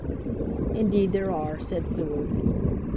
"Indeed there are," said Seward.